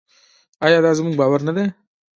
آیا دا زموږ باور نه دی؟